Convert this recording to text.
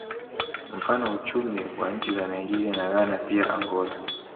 Mfano uchumi wa nchi za Nigeria na Ghana pia Angola